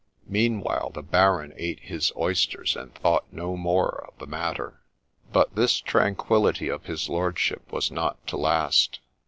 Meanwhile, the Baron ate his oysters and thought no more of the matter. But this tranquillity of his lordship was not to last.